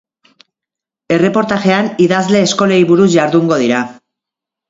Erreportajean idazle eskolei buruz jardungo dira.